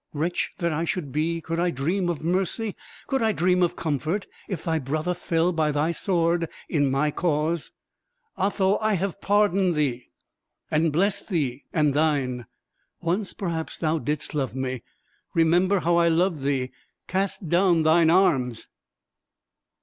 Wretch that I should be, could I dream of mercy could I dream of comfort, if thy brother fell by thy sword in my cause? Otho, I have pardoned thee, and blessed thee and thine. Once, perhaps, thou didst love me; remember how I loved thee cast down thine arms."